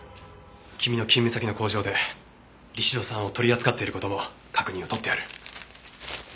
君の勤務先の工場でリシド酸を取り扱っている事も確認を取ってある。